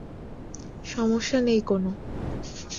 সমস্যা নেই কোনো।